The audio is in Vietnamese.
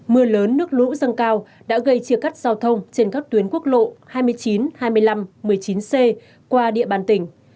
mưa lớn nước lũ dâng cao đã gây chia cắt giao thông trên các tuyến quốc lộ hai mươi chín hai mươi năm một mươi chín c qua địa bàn tỉnh